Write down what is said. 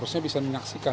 saya bisa menyaksikan